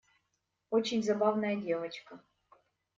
Очень забавная девочка.